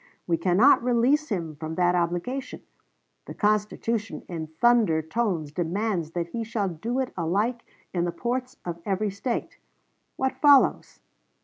We cannot release him from that obligation. The Constitution in thunder tones demands that he shall do it alike in the ports of every State. What follows?